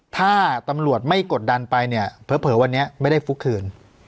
ถ้าตำรวจไม่กดดันไปเนี่ยเผลอวันนี้ไม่ได้ฟุกคืน